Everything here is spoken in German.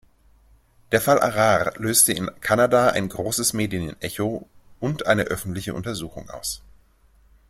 Der Fall Arar löste in Kanada ein großes Medienecho und eine öffentliche Untersuchung aus.